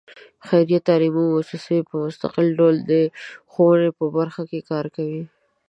خیریه تعلیمي مؤسسې په مستقل ډول د ښوونې په برخه کې کار کوي.